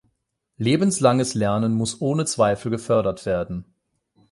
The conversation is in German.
Lebenslanges Lernen muss ohne Zweifel gefördert werden.